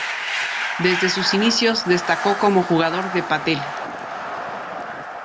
Desde sus inicios, destacó como jugador de pádel.